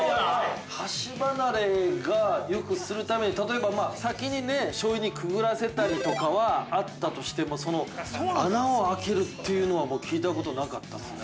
◆箸離れをよくするために、例えば、先にね、しょうゆにくぐらせたりとかはあったとしても、穴を開けるというのは聞いたことなかったっすね。